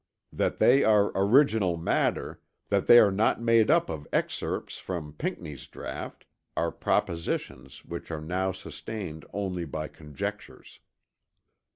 That they are original matter; that they are not made up of excerpts from Pinckney's draught: are propositions which are now sustained only by conjectures.